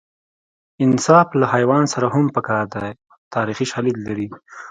انصاف له حیوان سره هم په کار دی تاریخي شالید لري